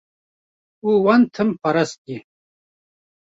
û wan tim parastiye.